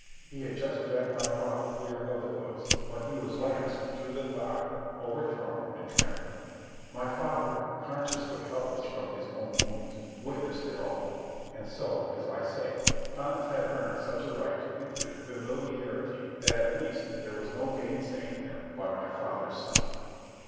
He had just dragged my father clear of the hoofs when he was lanced through the thigh, overthrown, and trampled. My father, conscious but helpless from his own wounds, witnessed it all. And so, as I say, Pons had earned such a right to impudent familiarity that at least there was no gainsaying him by my father's son.